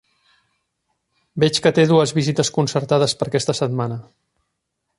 Veig que té dues visites concertades per aquesta setmana.